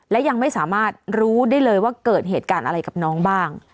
และยังไม่สามารถรู้ได้เลยว่าเกิดเหตุการณ์อะไรกับน้องบ้าง